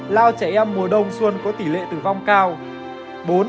lao trẻ em mùa đông xuân có tỷ lệ tử vong cao